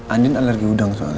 andien alergi udang soalnya